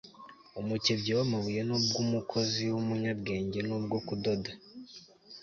umukebyi w'amabuye n'ubw'umukozi w'umunyabwenge n'ubwo kudoda